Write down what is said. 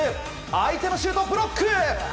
相手のシュートをブロック。